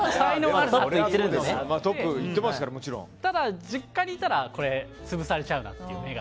ただ、実家にいたら芽を潰されちゃうなと思って。